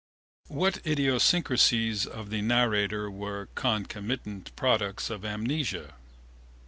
What idiosyncracies of the narrator were concomitant products of amnesia?